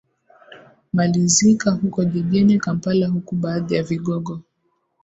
malizika huko jijini kampala huku baadhi ya vigogo